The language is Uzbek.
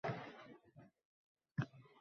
Lochin o‘g‘ri deganlarini bir ko‘rvolaydi.